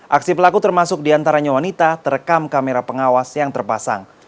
aksi pelaku termasuk diantaranya wanita terekam kamera pengawas yang terpasang